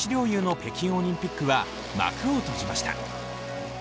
侑の北京オリンピックは幕を閉じました。